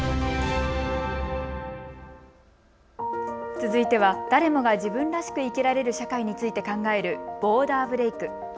続いては、誰もが自分らしく生きられる社会について考えるボーダーブレイク。